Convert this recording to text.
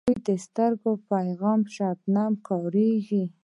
د هغو سترګې په پیغور شبنم کاږي.